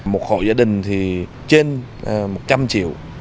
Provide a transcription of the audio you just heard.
một hộ gia đình thì trên một trăm linh triệu